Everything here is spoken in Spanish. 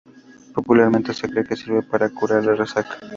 Popularmente se cree que sirve para curar la resaca.